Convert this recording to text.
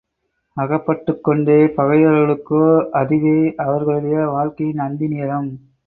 அகப்பட்டுக் கொண்ட பகைவர்களுக்கோ, அதுவே அவர்களுடைய வாழ்க்கையின் அந்தி நேரம்.